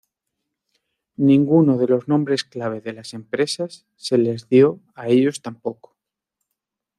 Ninguno de los nombres clave de las empresas se les dio a ellos tampoco.